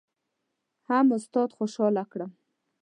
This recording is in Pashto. هم استاد خوشحاله کړم.